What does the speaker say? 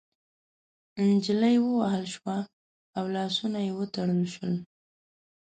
نجلۍ ووهل شوه او لاسونه يې وتړل شول.